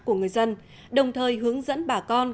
của người dân đồng thời hướng dẫn bà con